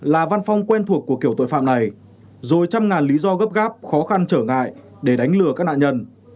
là văn phong quen thuộc của kiểu tội phạm này rồi trăm ngàn lý do gấp gáp khó khăn trở ngại để đánh lừa các nạn nhân